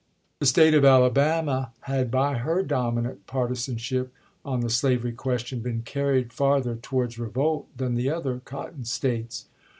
The State of Alabama had by her dominant partisanship on the slavery question been carried farther towards revolt than the other Cotton States.